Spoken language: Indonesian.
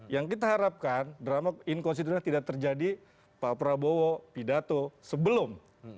yang kita harapkan drama inkonstituennya tidak terjadi pak prabowo pidato sebelum